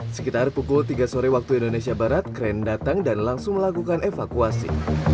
sekitar pukul tiga sore waktu indonesia barat kren datang dan langsung melakukan evakuasi